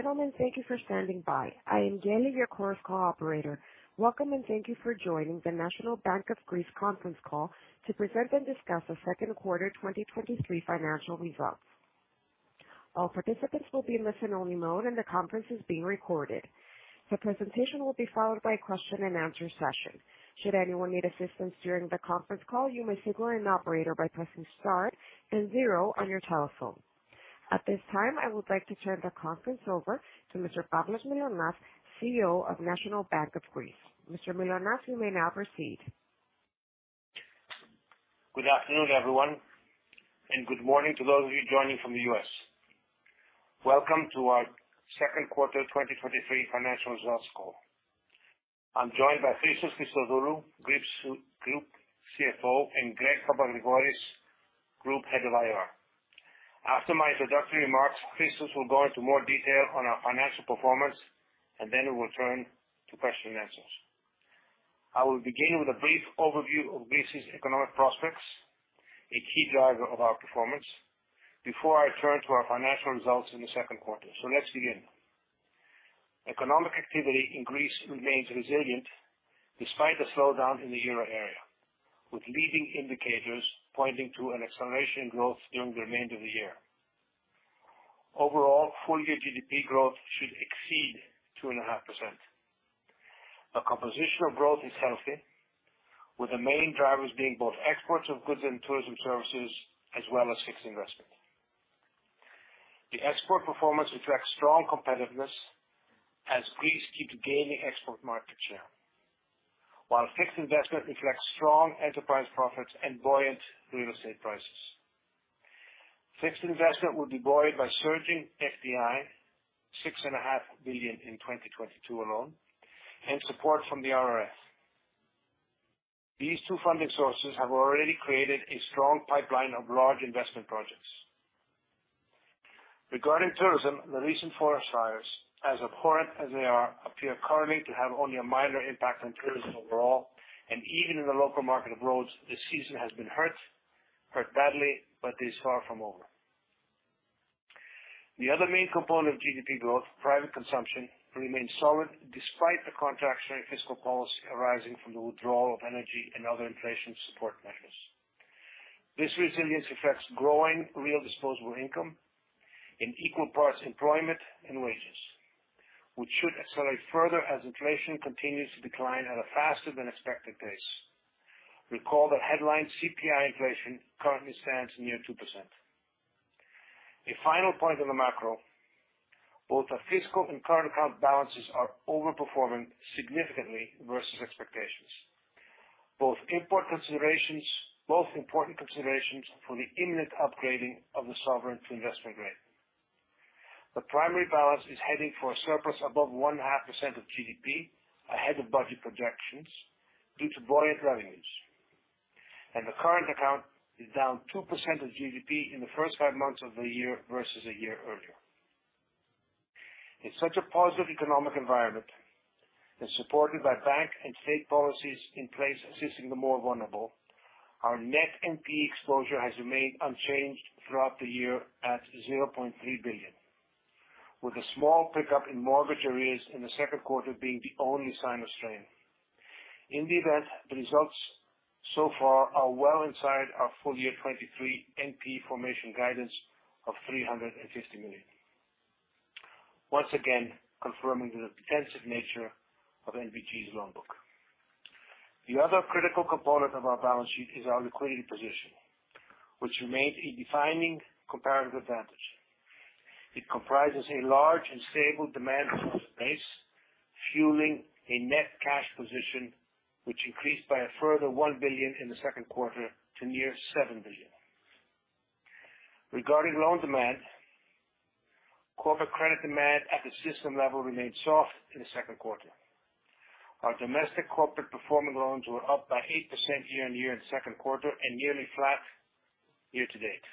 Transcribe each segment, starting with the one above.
Gentlemen, thank you for standing by. I am Jenny, your Chorus Call Operator. Welcome, and thank you for joining the National Bank of Greece Conference Call to present and discuss the second quarter 2023 financial results. All participants will be in listen-only mode, and the conference is being recorded. The presentation will be followed by a question-and-answer session. Should anyone need assistance during the conference call, you may signal an operator by pressing star then zero on your telephone. At this time, I would like to turn the conference over to Mr. Pavlos Mylonas, CEO of National Bank of Greece. Mr. Mylonas, you may now proceed. Good afternoon, everyone. Good morning to those of you joining from the US. Welcome to our second quarter 2023 financial results call. I'm joined by Christos Christodoulou, Group CFO, and Greg Papagrigoris, Group Head of IR. After my introductory remarks, Christos will go into more detail on our financial performance. Then we will turn to question and answers. I will begin with a brief overview of Greece's economic prospects, a key driver of our performance, before I turn to our financial results in the second quarter. Let's begin. Economic activity in Greece remains resilient despite the slowdown in the euro area, with leading indicators pointing to an acceleration in growth during the remainder of the year. Overall, full-year GDP growth should exceed 2.5%. The composition of growth is healthy, with the main drivers being both exports of goods and tourism services, as well as fixed investment. The export performance reflects strong competitiveness as Greece keeps gaining export market share, while fixed investment reflects strong enterprise profits and buoyant real estate prices. Fixed investment will be buoyed by surging FDI, $6.5 billion in 2022 alone, and support from the RRF. These two funding sources have already created a strong pipeline of large investment projects. Regarding tourism, the recent forest fires, as abhorrent as they are, appear currently to have only a minor impact on tourism overall, and even in the local market of Rhodes, the season has been hurt, hurt badly, but is far from over. The other main component of GDP growth, private consumption, remains solid despite the contractionary fiscal policy arising from the withdrawal of energy and other inflation support measures. This resilience affects growing real disposable income in equal parts employment and wages, which should accelerate further as inflation continues to decline at a faster than expected pace. Recall that headline CPI inflation currently stands near 2%. A final point on the macro, both our fiscal and current account balances are overperforming significantly versus expectations, both important considerations for the imminent upgrading of the sovereign to investment grade. The primary balance is heading for a surplus above 0.5% of GDP, ahead of budget projections, due to buoyant revenues, and the current account is down 2% of GDP in the first 5 months of the year versus a year earlier. In such a positive economic environment, supported by bank and state policies in place assisting the more vulnerable, our net NPE exposure has remained unchanged throughout the year at 0.3 billion, with a small pickup in mortgage arrears in the second quarter being the only sign of strain. In the event, the results so far are well inside our full year 2023 NPE formation guidance of 350 million. Once again, confirming the defensive nature of NBG's loan book. The other critical component of our balance sheet is our liquidity position, which remains a defining comparative advantage. It comprises a large and stable demand deposit base, fueling a net cash position, which increased by a further 1 billion in the second quarter to near 7 billion. Regarding loan demand, corporate credit demand at the system level remained soft in the second quarter. Our domestic corporate performing loans were up by 8% year-on-year in the second quarter and nearly flat year-to-date.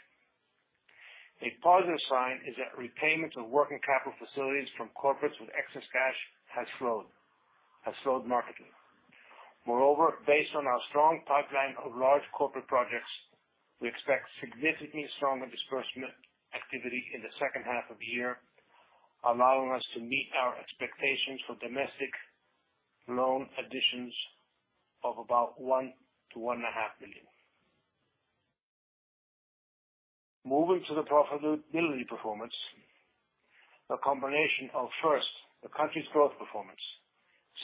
A positive sign is that repayments of working capital facilities from corporates with excess cash has slowed markedly. Moreover, based on our strong pipeline of large corporate projects, we expect significantly stronger disbursement activity in the second half of the year, allowing us to meet our expectations for domestic loan additions of about 1 billion-1.5 billion. Moving to the profitability performance, a combination of, first, the country's growth performance,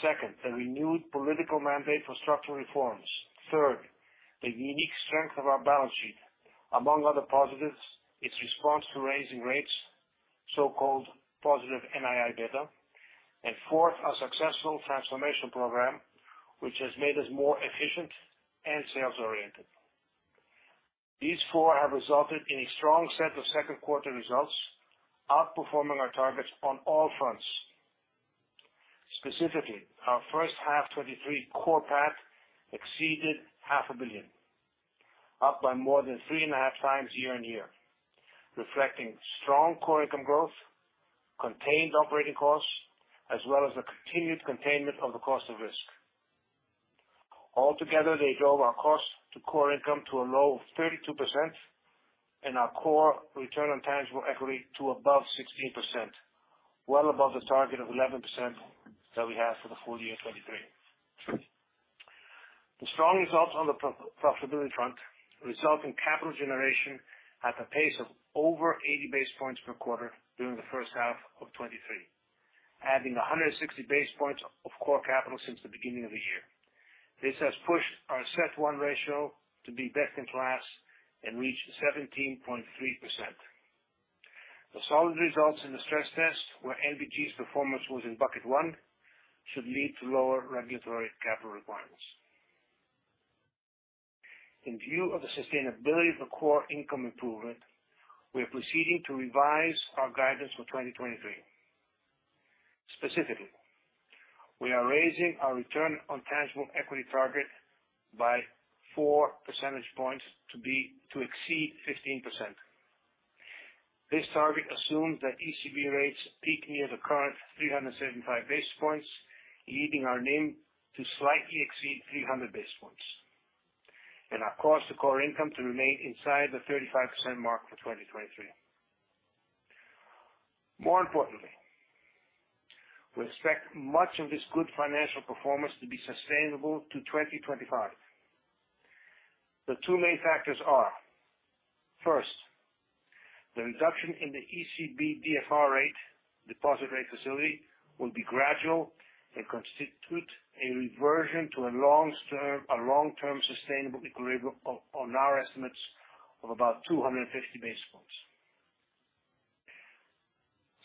second, a renewed political mandate for structural reforms, third, the unique strength of our balance sheet, among other positives, its response to raising rates, so-called positive NII beta, and fourth, a successful transformation program, which has made us more efficient and sales-oriented. These four have resulted in a strong set of second quarter results, outperforming our targets on all fronts. Specifically, our first half 2023 core PAT exceeded 500 million, up by more than 3.5 times year-on-year, reflecting strong core income growth, contained operating costs, as well as the continued containment of the cost of risk. Altogether, they drove our cost to income ratio to a low of 32% and our core return on tangible equity to above 16%, well above the target of 11% that we have for the full year 2023. The strong results on the pro-profitability front result in capital generation at the pace of over 80 basis points per quarter during the first half of 2023, adding 160 basis points of core capital since the beginning of the year. This has pushed our CET1 ratio to be best in class and reached 17.3%. The solid results in the stress test, where NBG's performance was in bucket one, should lead to lower regulatory capital requirements. In view of the sustainability of the core income improvement, we are proceeding to revise our guidance for 2023. Specifically, we are raising our return on tangible equity target by 4 percentage points to exceed 15%. This target assumes that ECB rates peak near the current 375 base points, leading our NIM to slightly exceed 300 base points, and our cost to income ratio to remain inside the 35% mark for 2023. More importantly, we expect much of this good financial performance to be sustainable to 2025. The two main factors are, first, the reduction in the ECB DFR rate, deposit facility rate, will be gradual and constitute a reversion to a long term, a long-term sustainable equilibrium on our estimates of about 250 basis points.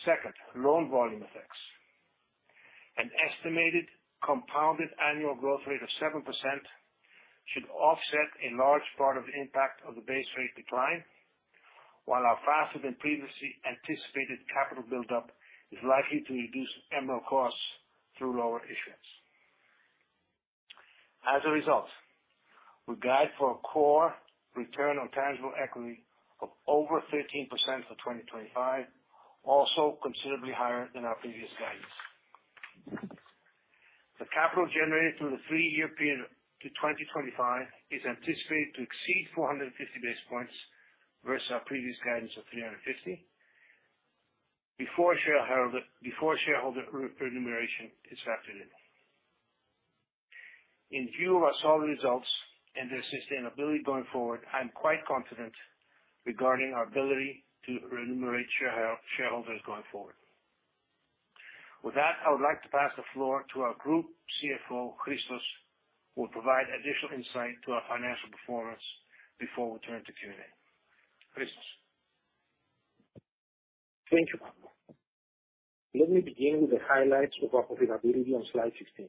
Second, loan volume effects. An estimated compounded annual growth rate of 7% should offset a large part of the impact of the base rate decline, while our faster than previously anticipated capital buildup is likely to reduce MRO costs through lower issuance. As a result, we guide for a core return on tangible equity of over 15% for 2025, also considerably higher than our previous guidance. The capital generated through the three-year period to 2025 is anticipated to exceed 450 basis points versus our previous guidance of 350, before shareholder, before shareholder remuneration this afternoon. In view of our solid results and their sustainability going forward, I'm quite confident regarding our ability to remunerate shareholders going forward. With that, I would like to pass the floor to our Group Chief Financial Officer, Christos, who will provide additional insight to our financial performance before we turn to Q&A. Christos? Thank you, Pavlos. Let me begin with the highlights of our profitability on slide 16.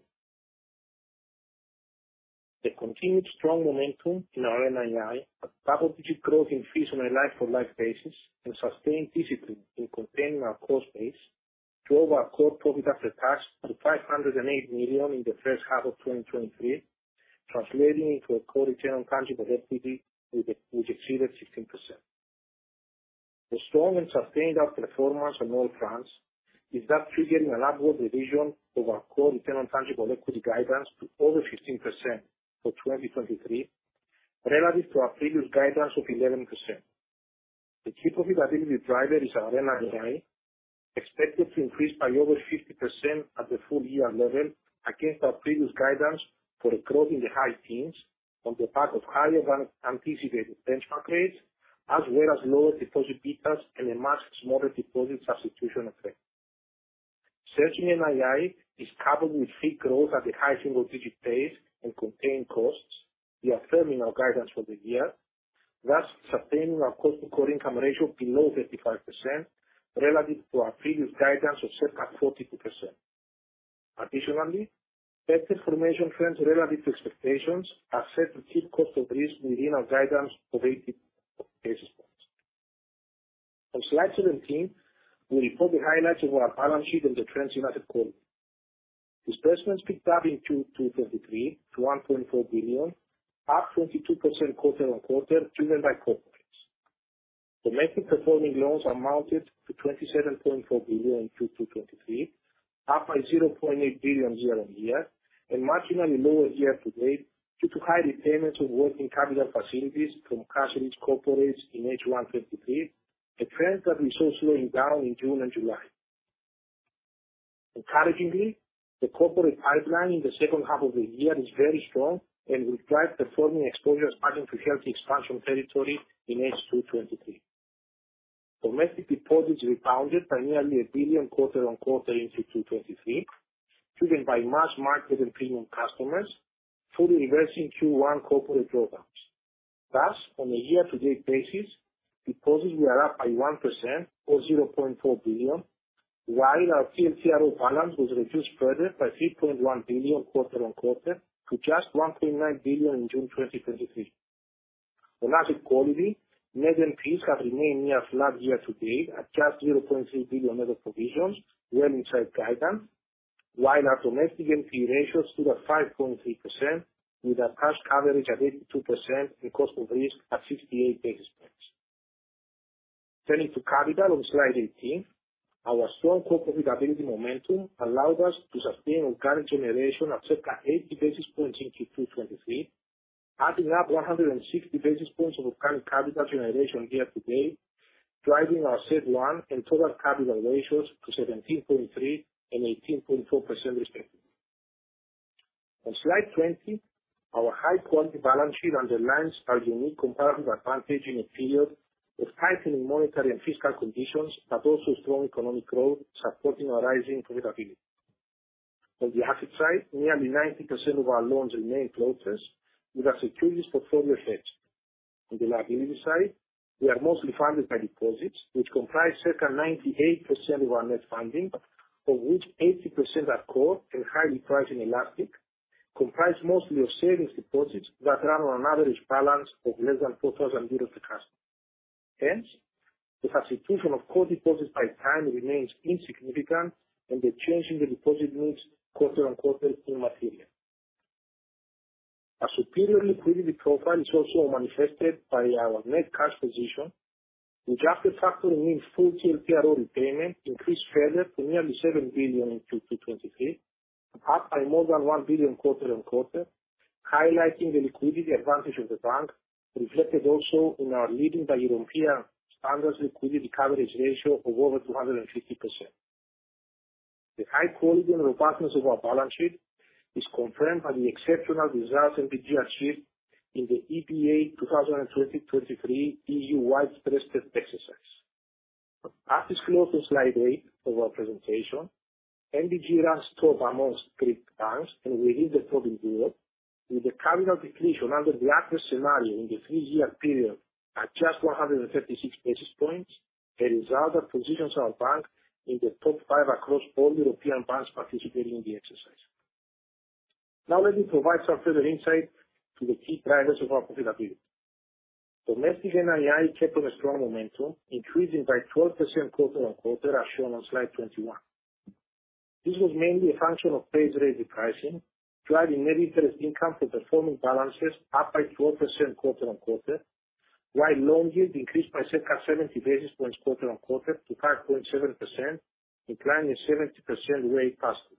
The continued strong momentum in our NII, a double-digit growth in fees on a like-for-like basis, and sustained discipline in containing our cost base, drove our core profit after tax to 508 million in the first half of 2023, translating into a core return on tangible equity, which exceeded 16%. The strong and sustained outperformance on all fronts is thus triggering an upward revision of our core return on tangible equity guidance to over 15% for 2023, relative to our previous guidance of 11%. The key profitability driver is our NII, expected to increase by over 50% at the full year level against our previous guidance for a growth in the high teens on the back of higher than anticipated benchmark rates, as well as lower deposit betas and a much smaller deposit substitution effect. Searching NII is coupled with fee growth at a high single digit pace and contained costs. We are affirming our guidance for the year, thus sustaining our cost to core income ratio below 35% relative to our previous guidance of circa 42%. Additionally, better formation trends relative to expectations are set to keep cost at risk within our guidance of 80 basis points. On slide 17, we report the highlights of our balance sheet and the trends in asset quality. Disbursement picked up in Q2 2023 to 1.4 billion, up 22% quarter-on-quarter, driven by corporates. Domestic performing loans amounted to 27.4 billion in Q2 2023, up by 0.8 billion year-on-year, and marginally lower year-to-date, due to high repayments of working capital facilities from cash-rich corporates in H1 2023, a trend that we saw slowing down in June and July. Encouragingly, the corporate pipeline in the second half of the year is very strong and will drive performing exposures back into healthy expansion territory in H2 2023. Domestic deposits rebounded by nearly 1 billion quarter-on-quarter in Q2 2023, driven by much market and premium customers, fully reversing Q1 corporate drawdowns. Thus, on a year-to-date basis, deposits were up by 1%, or 0.4 billion, while our TLTRO balance was reduced further by 3.1 billion quarter-on-quarter to just 1.9 billion in June 2023. On asset quality, net NPEs have remained near flat year to date at just 0.3 billion euro net of provisions, well inside guidance, while our domestic NPE ratio stood at 5.3% with our cash coverage at 82% and cost of risk at 68 basis points. Turning to capital on slide 18, our strong core profitability momentum allowed us to sustain organic generation of circa 80 basis points in Q2 2023, adding up 160 basis points of organic capital generation year to date, driving our CET1 and total capital ratios to 17.3% and 18.4% respectively. On slide 20, our high quality balance sheet underlines our unique comparative advantage in a period of tightening monetary and fiscal conditions. Also, strong economic growth, supporting our rising profitability. On the asset side, nearly 90% of our loans remain closeness, with our securities portfolio effect. On the liability side, we are mostly funded by deposits, which comprise circa 98% of our net funding, of which 80% are core and highly price inelastic, comprised mostly of savings deposits that run on an average balance of less than 4,000 euros per customer. Hence, the substitution of core deposits by time remains insignificant, and the change in the deposit mix quarter-on-quarter is immaterial. A superior liquidity profile is also manifested by our net cash position, which after factoring in full TLTRO repayment, increased further to nearly 7 billion in Q2 2023, up by more than 1 billion quarter-on-quarter, highlighting the liquidity advantage of the bank, reflected also in our leading by European standards, liquidity coverage ratio of over 250%. The high quality and robustness of our balance sheet is confirmed by the exceptional results NBG achieved in the EBA 2023 EU-wide stressed exercise. At this close on slide 8 of our presentation, NBG ranks top amongst Greek banks, and within the top in Europe, with the capital depletion under the adverse scenario in the three-year period at just 136 basis points, a result that positions our bank in the top five across all European banks participating in the exercise. Now, let me provide some further insight to the key drivers of our profitability. Domestic NII kept on a strong momentum, increasing by 12% quarter-on-quarter, as shown on slide 21. This was mainly a function of base rate repricing, driving net interest income for performing balances up by 12% quarter-on-quarter, while loan yield increased by circa 70 basis points quarter-on-quarter to 5.7%, declining 70% way faster.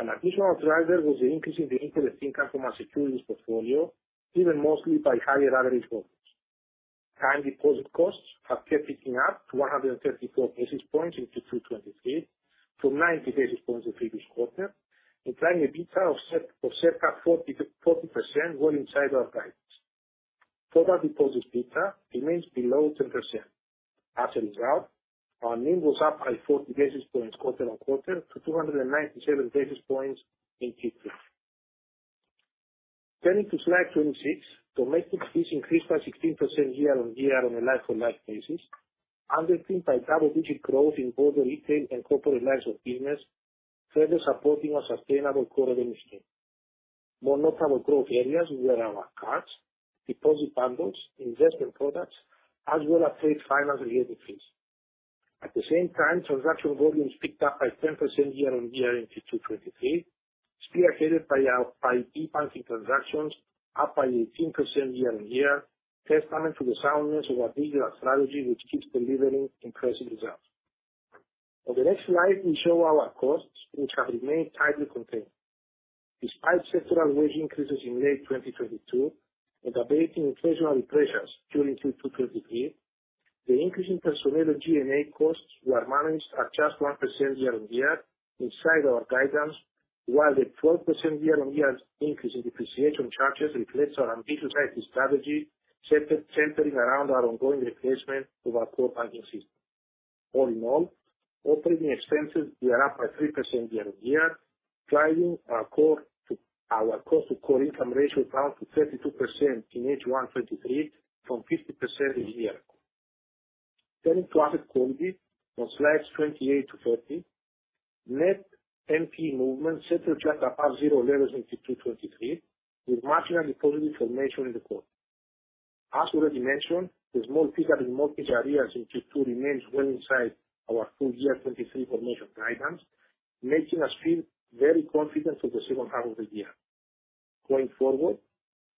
An additional driver was the increase in the interest income from our securities portfolio, driven mostly by higher average volumes. Time deposit costs have kept ticking up to 134 basis points in Q2 2023, from 90 basis points the previous quarter, implying a beta of circa 40% well inside our guidance. Total deposit beta remains below 10%. As a result, our NIM was up by 40 basis points quarter-over-quarter to 297 basis points in Q3. Turning to slide 26, domestic fees increased by 16% year-over-year on a like-for-like basis, underpinned by double-digit growth in both the retail and corporate lines of business, further supporting our sustainable core revenue stream. More notable growth areas were our cards, deposit bundles, investment products, as well as trade finance and leasing fees. At the same time, transaction volumes picked up by 10% year-over-year in Q2 2023, spearheaded by our e-banking transactions, up by 18% year-over-year, testament to the soundness of our digital strategy, which keeps delivering impressive results. On the next slide, we show our costs, which have remained tightly contained. Despite sectoral wage increases in late 2022 and abating inflationary pressures during Q2 2023, the increase in personnel and G&A costs were managed at just 1% year-on-year inside our guidance, while the 12% year-on-year increase in depreciation charges reflects our ambitious IT strategy, centering around our ongoing replacement of our core banking system. All in all, operating expenses were up by 3% year-on-year, driving our cost to core income ratio down to 32% in H1 2023 from 50% a year. Turning to asset quality on slides 28-30, net NPE movement settled just above zero levels in Q2 2023, with marginally positive formation in the quarter. As already mentioned, the small peak in mortgage arrears in Q2 remains well inside our full year 2023 formation guidance, making us feel very confident for the second half of the year. Going forward,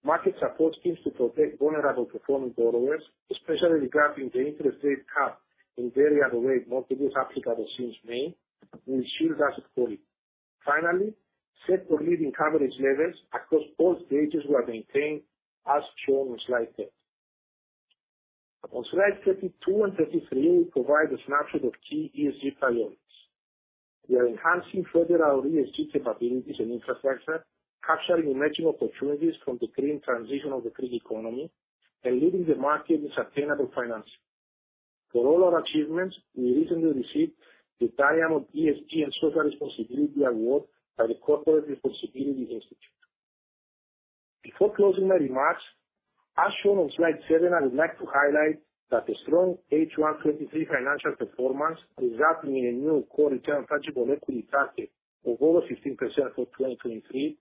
market support schemes to protect vulnerable performing borrowers, especially regarding the interest rate cap in variable rate mortgages applicable since May, will ensure asset quality. Finally, sector leading coverage levels across all stages were maintained, as shown on slide 10. On slide 32 and 33, we provide a snapshot of key ESG priorities. We are enhancing further our ESG capabilities and infrastructure, capturing emerging opportunities from the green transition of the Greek economy and leading the market in sustainable financing. For all our achievements, we recently received the Diamond ESG and Social Responsibility Award by the Corporate Responsibility Institute. Before closing my remarks, as shown on slide seven, I would like to highlight that the strong H1 2023 financial performance, resulting in a new core return on tangible equity target of over 15% for 2023,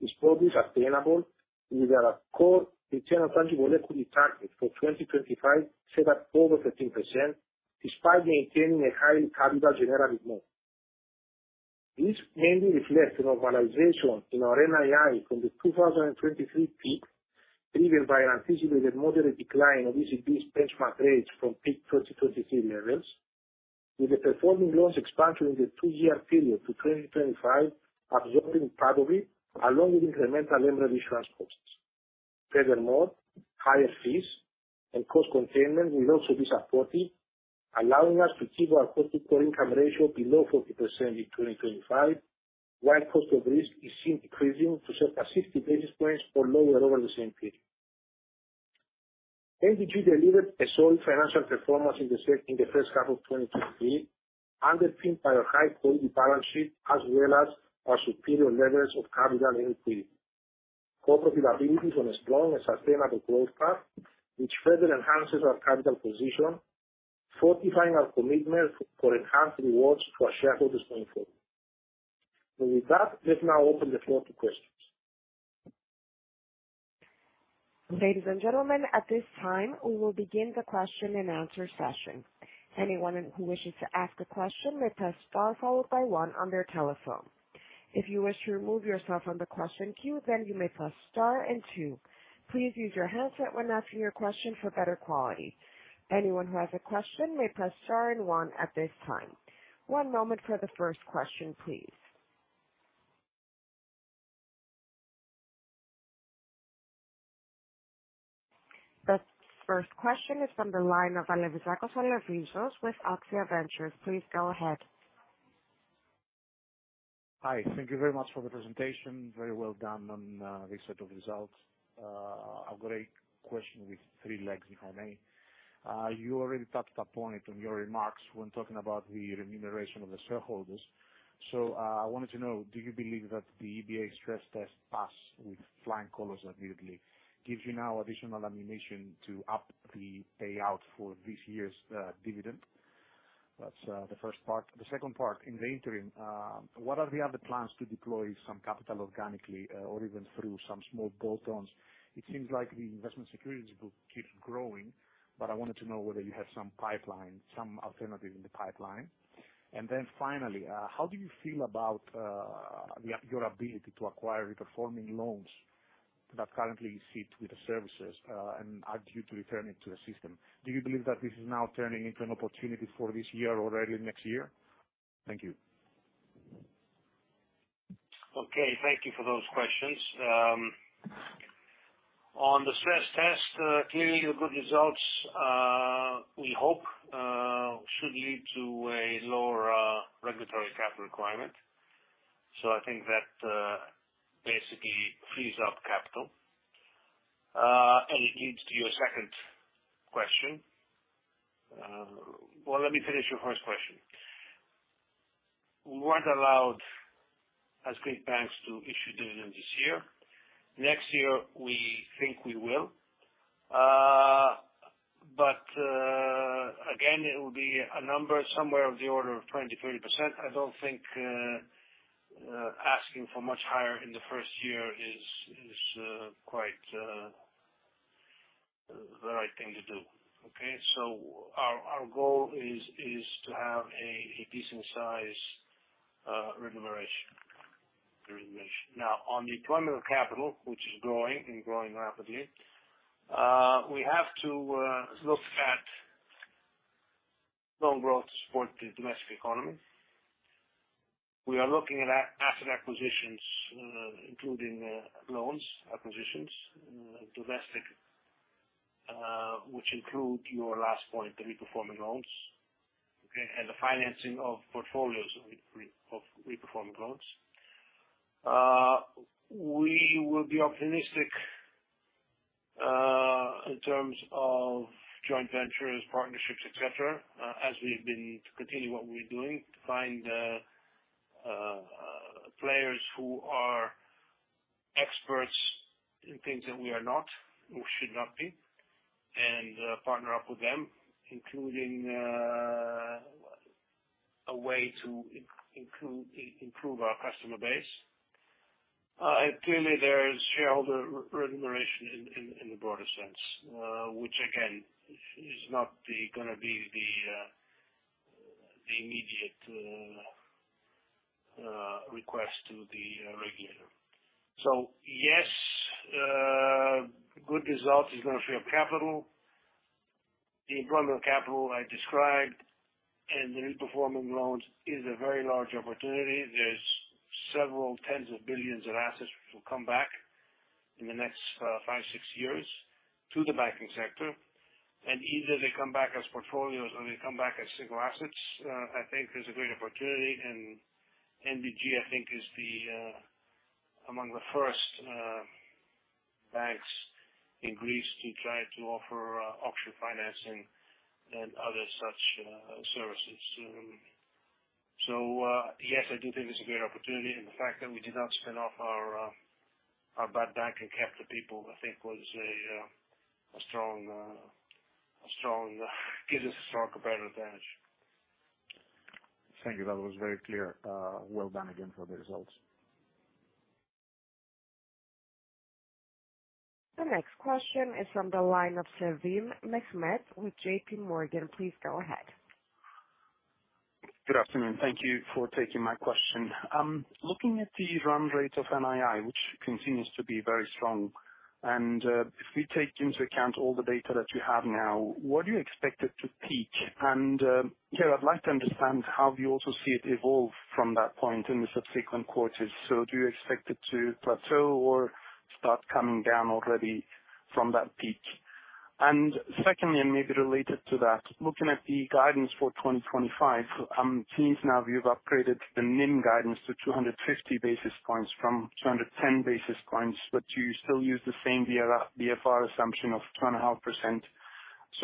is fully sustainable with our core return on tangible equity target for 2025, set at over 15%, despite maintaining a high capital generation mode. This mainly reflects the normalization in our NII from the 2023 peak, driven by an anticipated moderate decline of ECB's benchmark rates from peak 2023 levels, with the performing loans expansion in the two-year period to 2025, absorbing part of it, along with incremental remedy transfers. Furthermore, higher fees and cost containment will also be supportive, allowing us to keep our core-to-core income ratio below 40% in 2025, while cost of risk is seen decreasing to circa 60 basis points or lower over the same period. NBG delivered a solid financial performance in the first half of 2023, underpinned by a high-quality balance sheet as well as our superior levels of capital increase. Corporate profitability is on a strong and sustainable growth path, which further enhances our capital position, fortifying our commitment for enhanced rewards for our shareholders moving forward. With that, let's now open the floor to questions. Ladies and gentlemen, at this time, we will begin the question and answer session. Anyone who wishes to ask a question may press star followed by one on their telephone. If you wish to remove yourself from the question queue, then you may press star and two. Please use your headset when asking your question for better quality. Anyone who has a question may press star and one at this time. 1 moment for the first question, please. The first question is from the line of Alevizos Alevizakos with AXIA Ventures. Please go ahead. Hi, thank you very much for the presentation. Very well done on this set of results. I've got a question with three [legs], if I may. You already touched upon it on your remarks when talking about the remuneration of the shareholders. I wanted to know, do you believe that the EBA stress test pass with flying colors, admittedly, gives you now additional ammunition to up the payout for this year's dividend? That's the first part. The second part, in the interim, what are the other plans to deploy some capital organically, or even through some small add-ons? It seems like the investment securities book keeps growing, but I wanted to know whether you have some pipeline, some alternative in the pipeline. Finally, how do you feel about your ability to acquire the performing loans that currently sit with the services and are due to return it to the system? Do you believe that this is now turning into an opportunity for this year or early next year? Thank you. Okay, thank you for those questions. On the stress test, clearly the good results, we hope, should lead to a lower regulatory capital requirement. I think that basically frees up capital, and it leads to your second question. Well, let me finish your first question. We weren't allowed, as Greek banks, to issue dividend this year. Next year, we think we will. But again, it will be a number somewhere of the order of 20%-30%. I don't think asking for much higher in the first year is quite the right thing to do. Okay? Our goal is to have a decent size remuneration, remuneration. Now, on deployment of capital, which is growing and growing rapidly, we have to look at loan growth to support the domestic economy. We are looking at asset acquisitions, including loans acquisitions, domestic, which include your last point, the reperforming loans, okay, and the financing of portfolios of reperforming loans. We will be optimistic in terms of joint ventures, partnerships, et cetera, as we've been continuing what we're doing, to find players who are experts in things that we are not or should not be, and partner up with them, including a way to improve our customer base. Clearly, there is shareholder remuneration in, in, in the broader sense, which again, is not the gonna be the immediate request to the regulator. Yes, good results is going to free up capital. The deployment of capital I described and the reperforming loans is a very large opportunity. There's several tens of billions of assets which will come back in the next five, six years to the banking sector. Either they come back as portfolios or they come back as single assets. I think there's a great opportunity. NBG, I think, is the among the first banks in Greece to try to offer auction financing and other such services. Yes, I do think it's a great opportunity. The fact that we did not spin off our our bad bank and kept the people, I think was a strong a strong give us a strong competitive advantage. Thank you. That was very clear. Well done again for the results. The next question is from the line of Sevim Mehmet with JPMorgan. Please go ahead. Good afternoon. Thank you for taking my question. Looking at the run rate of NII, which continues to be very strong, if we take into account all the data that you have now, what do you expect it to peak? Here, I'd like to understand how you also see it evolve from that point in the subsequent quarters. Do you expect it to plateau or start coming down already from that peak? Secondly, and maybe related to that, looking at the guidance for 2025, it seems now you've upgraded the NIM guidance to 250 basis points from 210 basis points, but you still use the same BFR assumption of 2.5%.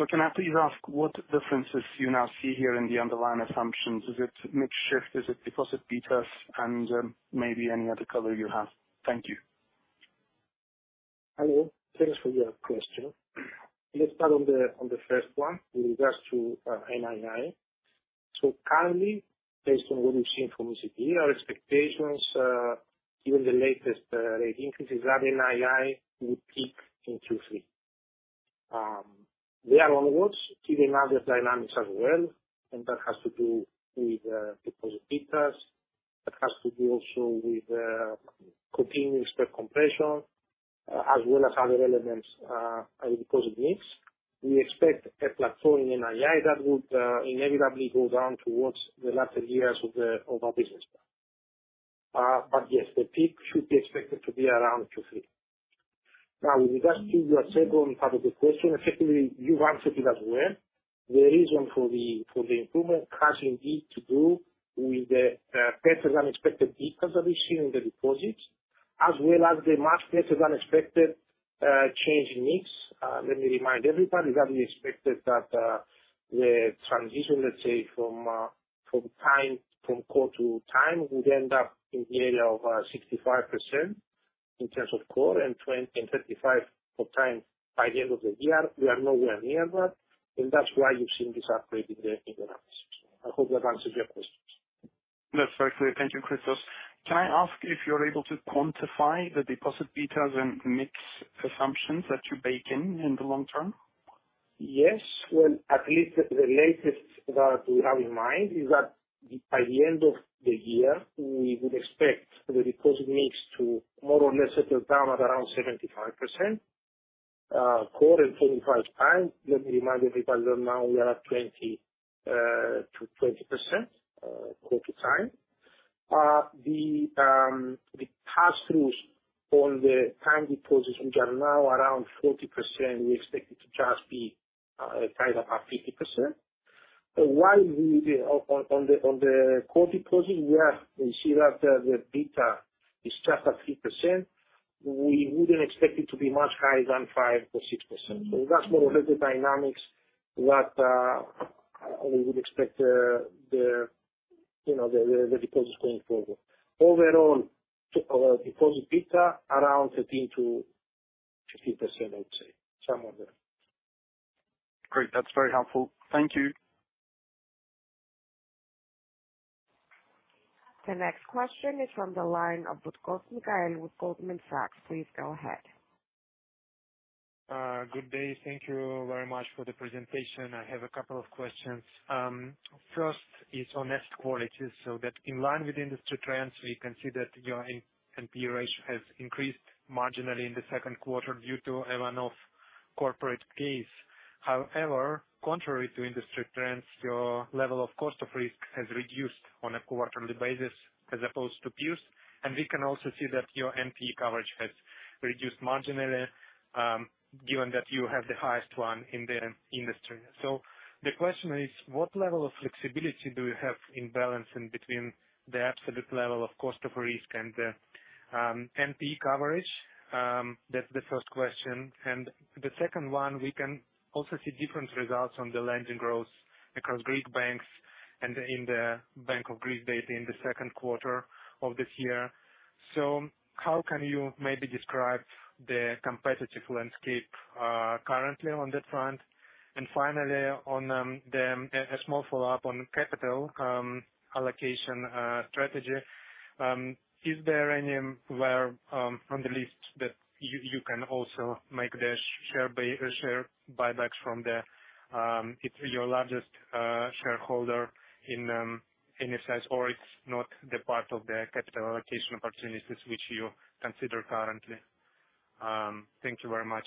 Can I please ask what differences you now see here in the underlying assumptions? Is it mix shift? Is it deposit betas? Maybe any other color you have. Thank you. Hello. Thanks for your question. Let's start on the, on the first one, with regards to NII. Currently, based on what we've seen from ECB, our expectations, given the latest rate increases, that NII will peak in Q3. We are on watch, keeping eye on the dynamics as well, and that has to do with deposit betas, that has to do also with continuous spread compression, as well as other elements and deposit mix. We expect a plateau in NII that would inevitably go down towards the latter years of the, of our business plan. Yes, the peak should be expected to be around Q3. Now, with regards to your second part of the question, effectively, you've answered it as well. The reason for the, for the improvement has indeed to do with the better than expected betas that we see in the deposits, as well as the much better than expected change in mix. Let me remind everybody that we expected that the transition, let's say, from from time, from core to time, would end up in the area of 65% in terms of core and 20 and 35 for time. By the end of the year, we are nowhere near that, and that's why you've seen this upgrade in the, in the numbers. I hope that answers your questions. That's very clear. Thank you, Christos. Can I ask if you're able to quantify the deposit betas and mix assumptions that you bake in, in the long term? Yes. Well, at least the latest that we have in mind is that by the end of the year, we would expect the deposit mix to more or less settle down at around 75% core and 25 time. Let me remind everybody that now we are at 20 to 20% core to time. The pass-throughs on the time deposits, which are now around 40%, we expect it to just be tied up at 50%. While we on the core deposits, we are seeing that the beta is just at 3%, we wouldn't expect it to be much higher than 5% or 6%. That's more or less the dynamics that we would expect the, you know, the deposits going forward. Overall, our deposit beta around 13%-15%, I'd say, somewhere there. Great. That's very helpful. Thank you. The next question is from the line of Mikhail Butkov with Goldman Sachs. Please go ahead. Good day. Thank you very much for the presentation. I have a couple of questions. First is on asset quality, so that in line with industry trends, we can see that your NPE ratio has increased marginally in the second quarter due to a one-off corporate case. However, contrary to industry trends, your level of cost of risk has reduced on a quarterly basis as opposed to peers, and we can also see that your NPE coverage has reduced marginally, given that you have the highest one in the industry. The question is: what level of flexibility do you have in balancing between the absolute level of cost of risk and the NPE coverage? That's the first question. The second one, we can also see different results on the lending growth across Greek banks and in the Bank of Greece data in the second quarter of this year. How can you maybe describe the competitive landscape currently on that front? Finally, on the, a small follow-up on capital allocation strategy. Is there anywhere on the list that you, you can also make the share buybacks from the, if your largest shareholder in a sense, or it's not the part of the capital allocation opportunities which you consider currently? Thank you very much.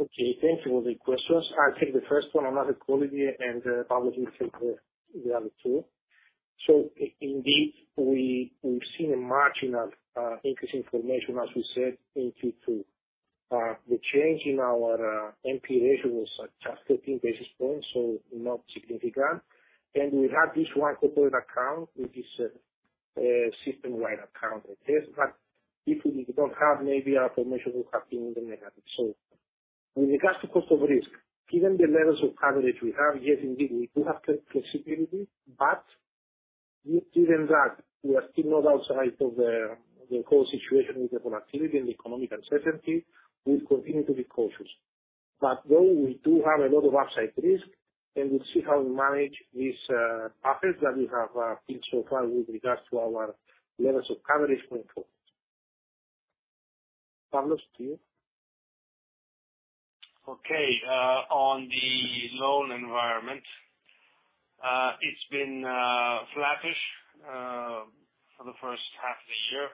Okay, thank you for the questions. I'll take the first one on asset quality and probably take the other two. Indeed, we've seen a marginal increase in formation, as we said, in Q2. The change in our NPE ratio was just 13 basis points, so not significant. We have this 1 corporate account, which is a system-wide account it is, but if we don't have, maybe our information would have been in the negative. With regards to cost of risk, given the levels of coverage we have, yes, indeed, we do have flexibility, but given that we are still not outside of the core situation with the volatility and the economic uncertainty, we continue to be cautious. Though we do have a lot of upside risk, and we'll see how we manage these buffers that we have seen so far with regards to our levels of coverage going forward. Pavlos, to you. Okay, on the loan environment, it's been flattish for the first half of the year,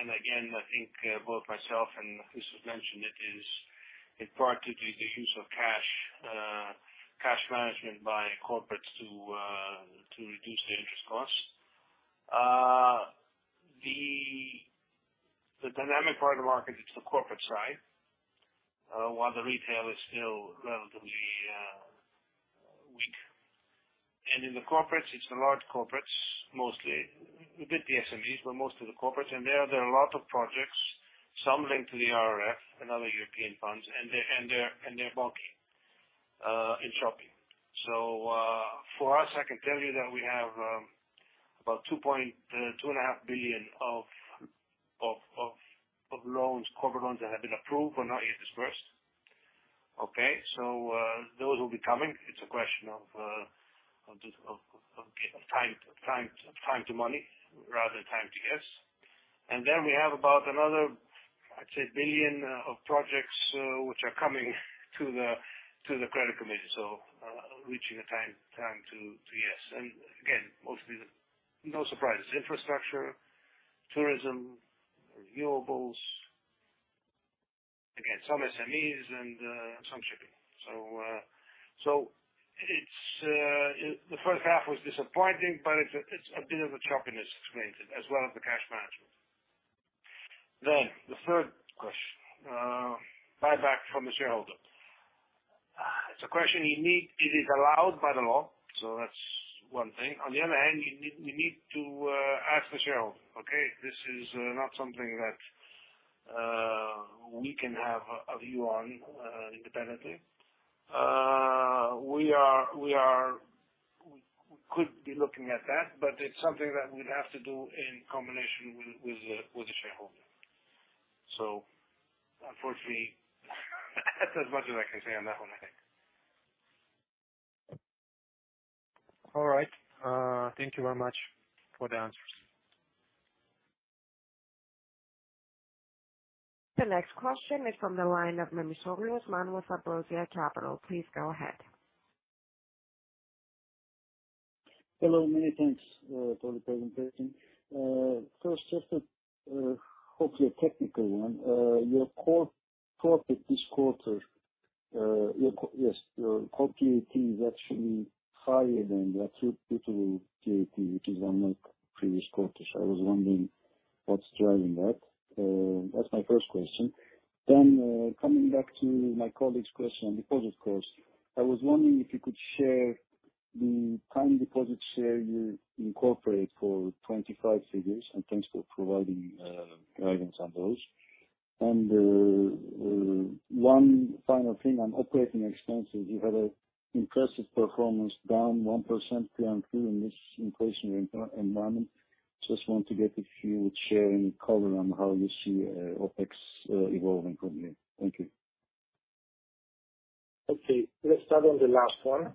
and again, I think both myself and Christos mentioned it, is in part to the, the use of cash, cash management by corporates to reduce the interest costs. The, the dynamic part of the market, it's the corporate side, while the retail is still relatively weak. In the corporates, it's the large corporates, mostly, with the SMEs, but most of the corporates, and there are a lot of projects, some linked to the RRF and other European funds, and they, and they're, and they're bulking and dropping. For us, I can tell you that we have about 2.5 billion of loans, corporate loans, that have been approved but not yet disbursed. Okay, those will be coming. It's a question of time, time, time to money, rather than time to yes. We have about another, I'd say, 1 billion of projects, which are coming to the credit committee, so, reaching a time, time to, to yes. Again, mostly no surprises: infrastructure, tourism, renewables, again, some SMEs and some shipping. So, it's the first half was disappointing, but it's a, it's a bit of a choppiness created as well as the cash management. The third question, buyback from the shareholder. It's a question you need. It is allowed by the law, so that's one thing. On the other hand, you need, you need to ask the shareholder, okay? This is not something that we can have a view on independently. We are, we are, we, we could be looking at that, but it's something that we'd have to do in combination with, with the, with the shareholder. Unfortunately, that's as much as I can say on that one, I think. All right. Thank you very much for the answers. The next question is from the line of Osman Memisoglu with Ambrosia Capital. Please go ahead. Hello, many thanks for the presentation. First, just a hopefully a technical one. Your core, core profit this quarter, your core CET1 is actually higher than your total CET1, which is unlike previous quarters. I was wondering what's driving that? That's my first question. Coming back to my colleague's question on deposit cost, I was wondering if you could share the time deposit share you incorporate for 25 figures, and thanks for providing guidance on those. One final thing on operating expenses. You had a impressive performance, down 1% Q on Q in this inflationary environment. Just want to get if you would share any color on how you see OpEx evolving from here. Thank you. Okay, let's start on the last one.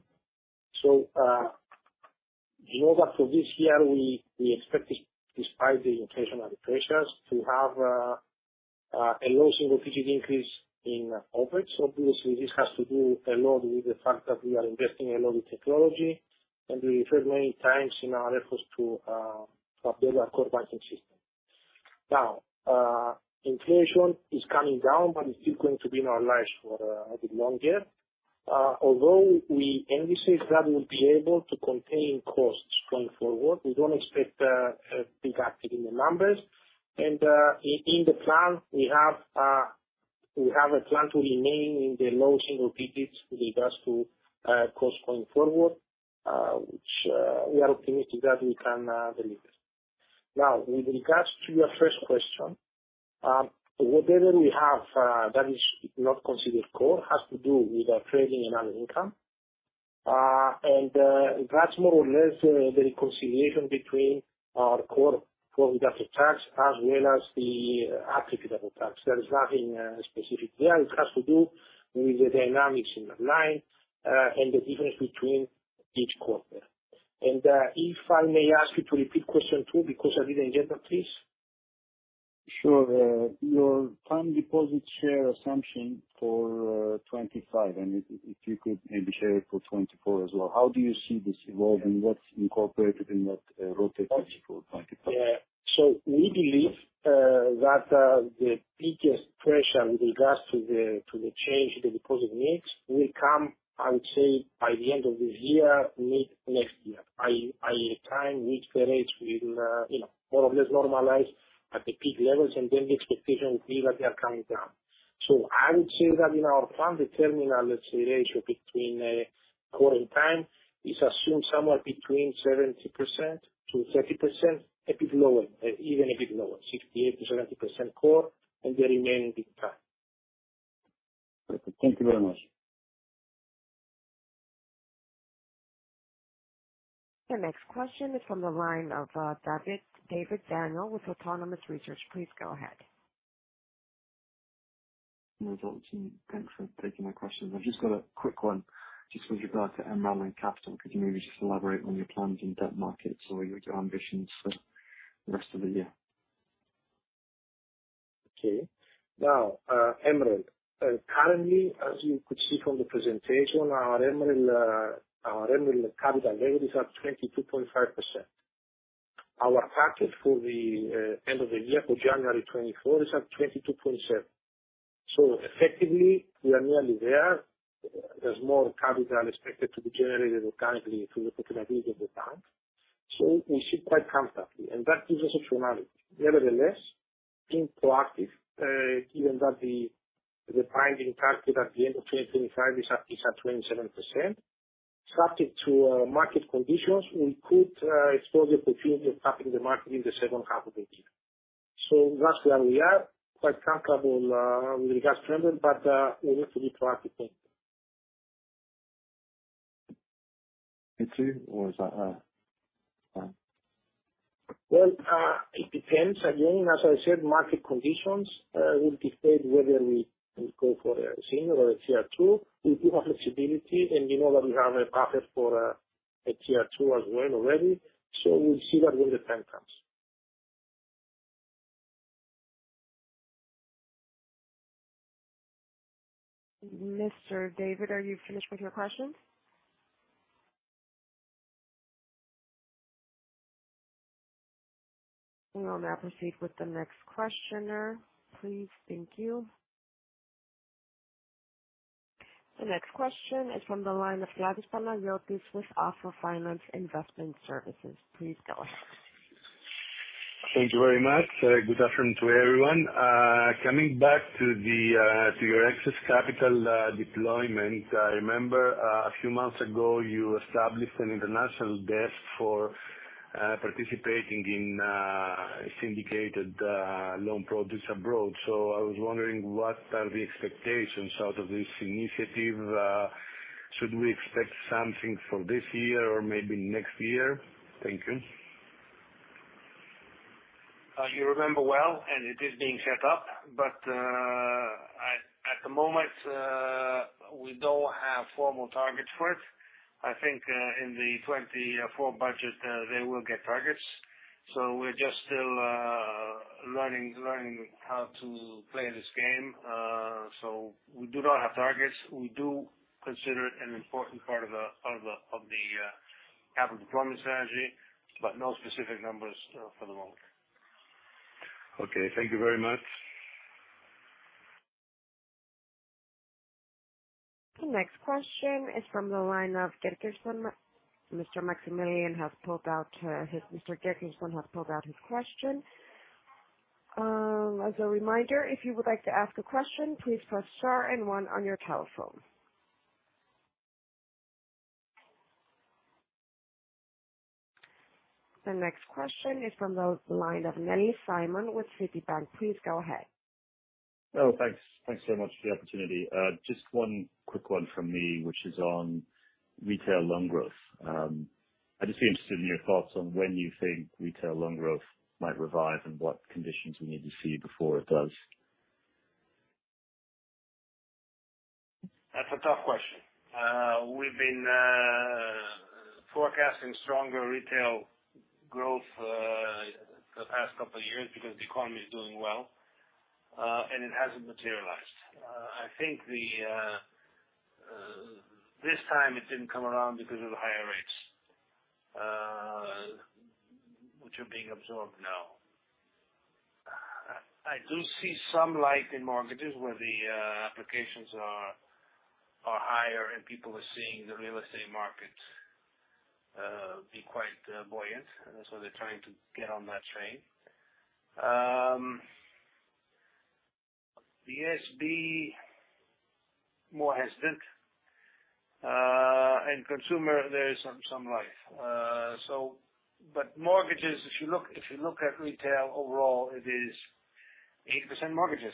In order for this year, we, we expect, despite the inflationary pressures, to have a low single-digit increase in OpEx. Obviously, this has to do a lot with the fact that we are investing a lot in technology, and we referred many times in our efforts to update our core banking system. Now, inflation is coming down, but it's still going to be in our lives for a bit longer. Although we anticipate that we'll be able to contain costs going forward, we don't expect a big impact in the numbers. In the plan, we have a plan to remain in the low single-digits with regards to cost going forward, which we are optimistic that we can deliver. Now, with regards to your first question, whatever we have, that is not considered core, has to do with our trading and other income. That's more or less the reconciliation between our core, core income tax, as well as the attributable tax. There is nothing specific there. It has to do with the dynamics in the line, and the difference between each quarter. If I may ask you to repeat question two, because I didn't get that, please? Sure. your time deposit share assumption for, 2025, and if, if you could maybe share it for 2024 as well, how do you see this evolving? What's incorporated in that, rotation for 2025? Yeah. We believe that the biggest pressure with regards to the, to the change in the deposit mix, will come, I would say, by the end of this year, mid next year. I, I time mid-quarterage with, you know, more or less normalized at the peak levels, and then the expectation is that they are coming down. I would say that in our plan, the terminal, let's say, ratio between core and time, is assumed somewhere between 70%-30%, a bit lower, even a bit lower, 68%-70% core, and the remaining being time. Perfect. Thank you very much. The next question is from the line of Daniel David with Autonomous Research. Please go ahead. Thanks for taking my questions. I've just got a quick one, just with regard to MREL and capital. Could you maybe just elaborate on your plans in debt markets or your, your ambitions for the rest of the year? Okay. Now, MREL. Currently, as you could see from the presentation, our MREL, our MREL and capital gain is at 22.5%. Our target for the end of the year, for January 2024, is at 22.7. Effectively, we are nearly there. There's more capital expected to be generated organically through the profitability of the bank. We should quite comfortably, and that gives us a formality. Nevertheless, being proactive, given that the, the binding target at the end of 2025 is at, is at 27%. Subject to market conditions, we could explore the opportunity of tapping the market in the second half of the year. That's where we are. Quite comfortable with regards to MREL, but we need to be proactive. Me too, or is that? Well, it depends. Again, as I said, market conditions, will dictate whether we, we go for a senior or a Tier 2. We do have flexibility, and you know that we have a buffer for, a Tier 2 as well already. We'll see that when the time comes. Mr. David, are you finished with your questions? We will now proceed with the next questioner, please. Thank you. The next question is from the line of Panagiotis Kladis with Alpha Finance Investment Services. Please go ahead. Thank you very much. Good afternoon to everyone. Coming back to the, to your excess capital, deployment. I remember a few months ago you established an international desk for participating in syndicated loan products abroad. I was wondering, what are the expectations out of this initiative? Should we expect something for this year or maybe next year? Thank you. You remember well, and it is being set up, but at the moment, we don't have formal targets for it. I think, in the 2024 budget, they will get targets. We're just still learning, learning how to play this game. We do not have targets. We do consider it an important part of the, of the, of the, capital deployment strategy, but no specific numbers for the moment. Okay. Thank you very much. The next question is from the line of Gecker. Mr. Maximilian has pulled out his... Mr. Gecker has pulled out his question. As a reminder, if you would like to ask a question, please press Star and 1 on your telephone. The next question is from the line of Simon Nellis with Citibank. Please go ahead. Oh, thanks. Thanks so much for the opportunity. Just one quick one from me, which is on retail loan growth. I'd just be interested in your thoughts on when you think retail loan growth might revive and what conditions we need to see before it does? That's a tough question. We've been forecasting stronger retail growth the past couple of years because the economy is doing well, and it hasn't materialized. I think the this time it didn't come around because of the higher rates, which are being absorbed now. I, I do see some light in mortgages where the applications are higher, and people are seeing the real estate market be quite buoyant, and that's why they're trying to get on that train. BSB more hesitant, and consumer, there is some, some life. But mortgages, if you look, if you look at retail overall, it is 80% mortgages.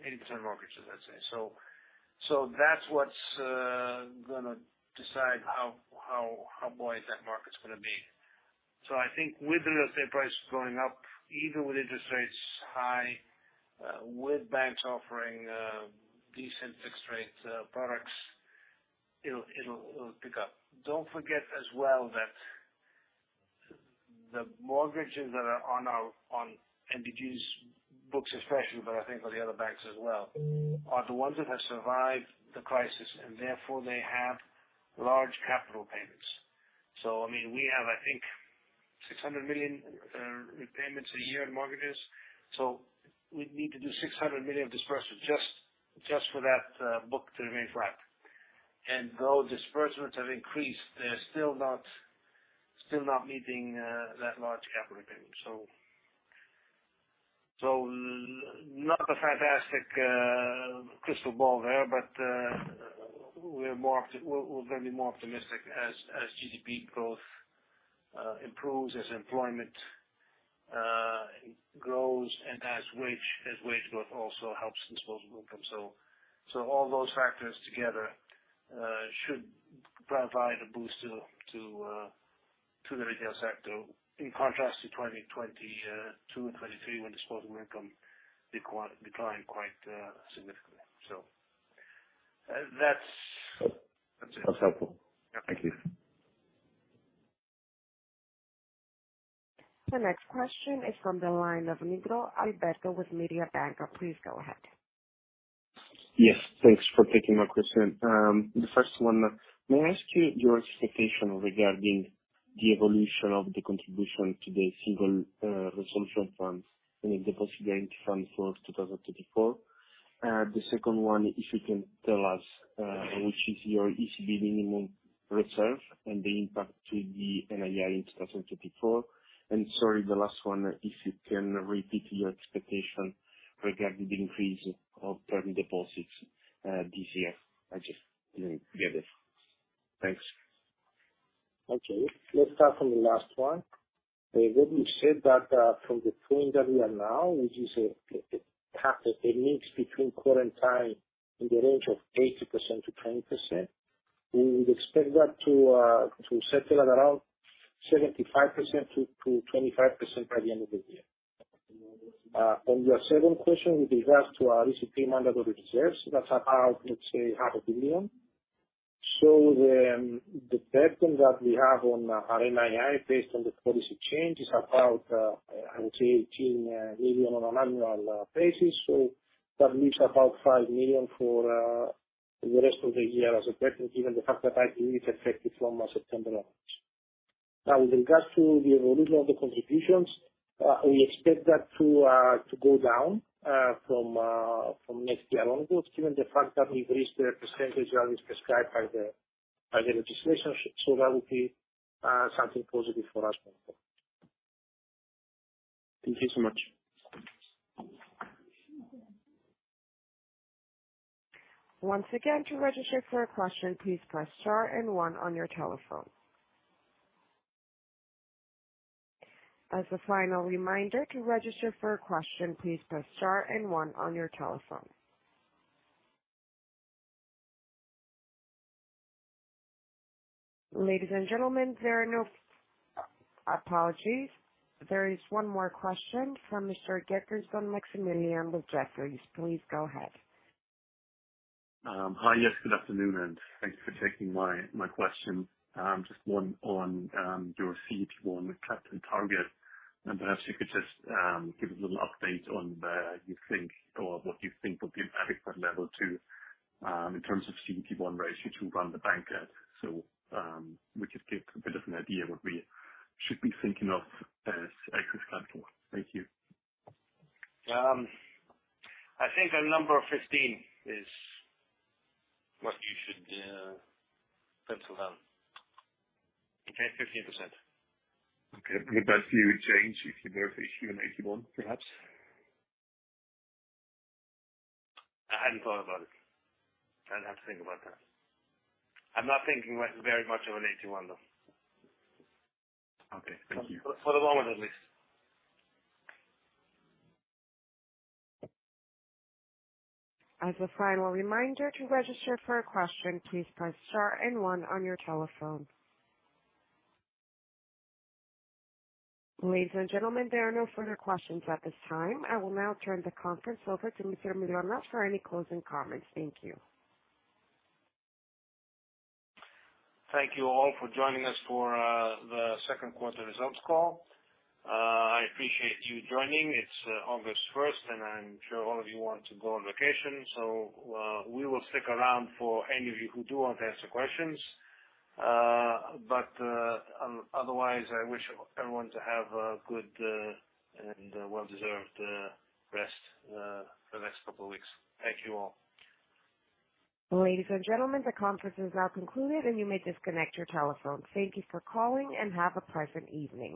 80% mortgages, I'd say. That's what's gonna decide how, how, how buoyant that market's gonna be. I think with the real estate prices going up, even with interest rates high, with banks offering decent fixed rate products, it'll, it'll, it'll pick up. Don't forget as well, that the mortgages that are on our, on NBG's books especially, but I think on the other banks as well, are the ones that have survived the crisis, and therefore, they have large capital payments. I mean, we have, I think, 600 million repayments a year in mortgages, so we'd need to do 600 million of disbursements just, just for that book to remain flat. Though disbursements have increased, they're still not, still not meeting that large capital payment. Not a fantastic crystal ball there, but we're gonna be more optimistic as GDP growth improves, as employment grows and as wage growth also helps disposable income. All those factors together, should provide a boost to the retail sector, in contrast to 2022 and 2023, when disposable income declined quite significantly. That's, that's it. That's helpful. Yeah. Thank you. The next question is from the line of Alberto Nigro with Mediobanca. Please go ahead. Yes, thanks for taking my question. The first one, may I ask you your expectation regarding the evolution of the contribution to the Single Resolution funds and the Deposit Guarantee Fund for 2024? The second one, if you can tell us, which is your ECB minimum reserve and the impact to the NII in 2024. Sorry, the last one, if you can repeat your expectation regarding the increase of term deposits, this year. I just didn't get it. Thanks. Okay, let's start from the last one. When we said that, from the point that we are now, which is a mix between current time in the range of 80%-20%, we would expect that to settle at around 75%-25% by the end of the year. On your second question, with regards to our recent mandatory reserves, that's about, let's say, 500 million. The burden that we have on our NII based on the policy change is about, I would say, 18 million on an annual basis. That leaves about 5 million for the rest of the year as a burden, given the fact that it is effective from September onwards. Now, with regards to the evolution of the contributions, we expect that to to go down from from next year onwards, given the fact that we've reached the percentage that is prescribed by the by the legislation. That will be something positive for us going forward. Thank you so much. Once again, to register for a question, please press star and one on your telephone. As a final reminder, to register for a question, please press star and one on your telephone. Ladies and gentlemen, there are no... Apologies. There is one more question from Mr. Maximilian Gecker with Jefferies. Please go ahead. Hi. Yes, good afternoon, and thanks for taking my, my question. Just one on your CET1 with capital target, and perhaps you could just give us a little update on you think or what you think would be an adequate level to in terms of CET1 ratio to run the bank at. We could get a bit of an idea what we should be thinking of as adequate capital. Thank you. I think a number of 15 is what you should pencil down. Okay? 15%. Okay, would that view change if you were to issue an AT1, perhaps? I hadn't thought about it. I'd have to think about that. I'm not thinking very much of an AT1, though. Okay, thank you. For the moment, at least. As a final reminder, to register for a question, please press star 1 on your telephone. Ladies and gentlemen, there are no further questions at this time. I will now turn the conference over to Mr. Mylonas for any closing comments. Thank you. Thank you all for joining us for the second quarter results call. I appreciate you joining. It's August 1st, 2023, and I'm sure all of you want to go on vacation, so we will stick around for any of you who do want to ask the questions. Otherwise, I wish everyone to have a good and well-deserved rest the next couple of weeks. Thank you all. Ladies and gentlemen, the conference is now concluded, and you may disconnect your telephone. Thank you for calling and have a pleasant evening.